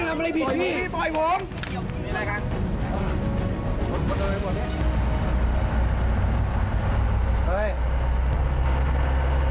ระบบก็ไม่สามารถเลือก